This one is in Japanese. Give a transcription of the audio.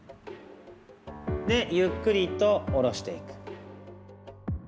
で、ゆっくりと下ろしていく。